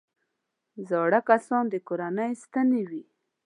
زاړه کسان د کورنۍ ستنې وي